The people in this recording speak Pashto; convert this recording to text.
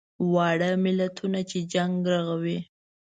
واړه ملتونه چې جنګ رغوي.